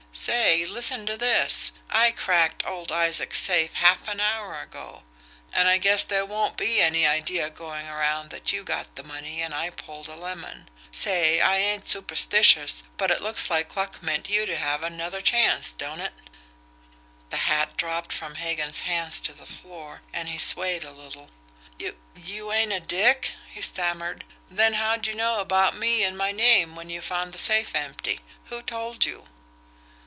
Say, listen to this! I cracked old Isaac's safe half an hour ago and I guess there won't be any idea going around that you got the money and I pulled a lemon. Say, I ain't superstitious, but it looks like luck meant you to have another chance, don't it?" The hat dropped from Hagan's hands to the floor, and he swayed a little. "You you ain't a dick!" he stammered. "Then how'd you know about me and my name when you found the safe empty? Who told you?"